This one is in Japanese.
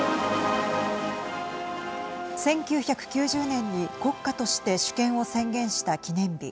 １９９０年に国家として主権を宣言した記念日